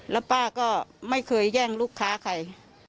แล้วป้าก็ไม่เคยแย่งลูกค้าใคร